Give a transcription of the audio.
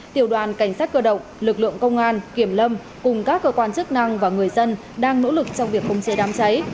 tiểu đoàn cảnh sát cơ động lực lượng công an kiểm lâm cùng các cơ quan chức năng và người dân đang nỗ lực trong việc khống chế đám cháy